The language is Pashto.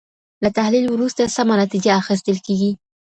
له تحلیل وروسته سمه نتیجه اخیستل کیږي.